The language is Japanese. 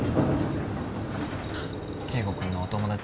圭吾君のお友達？